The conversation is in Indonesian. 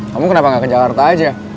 kamu kenapa gak ke jakarta aja